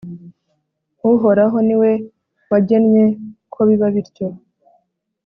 uhoraho ni we wagennye ko biba bityo